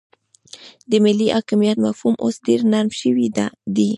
د ملي حاکمیت مفهوم اوس ډیر نرم شوی دی